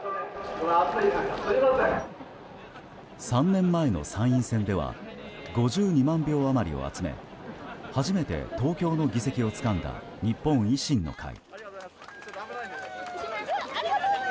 ３年前の参院選では５２万票余りを集め初めて東京の議席をつかんだ日本維新の会。